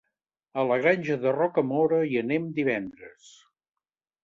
A la Granja de Rocamora hi anem divendres.